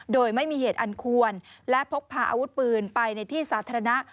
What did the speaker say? โดยไม่มีเหตุอันควรและพกพาอาวุธปืนไปในที่สาธารณะ